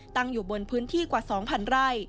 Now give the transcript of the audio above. ตั้งอยู่บนพื้นที่กว่า๒๐๐ไร่